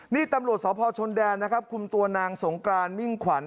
นี่ตำรวจสพชนแดนนะครับคุมตัวนางสงกรานมิ่งขวัญ